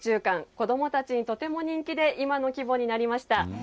子どもたちにとても人気で今の規模になりました。